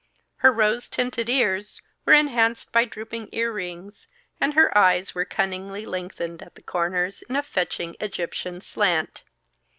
Her rose tinted ears were enhanced by drooping earrings, and her eyes were cunningly lengthened at the corners, in a fetching Egyptian slant.